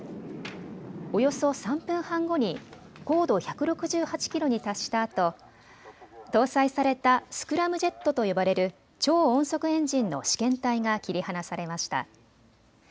およそ３分半後に高度１６８キロに達したあと搭載されたスクラムジェットと呼ばれる超音速エンジンの試験体が切り離されました。